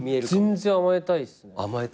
全然甘えたいっすね。